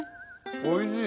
おいしい！